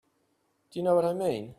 Do you know what I mean?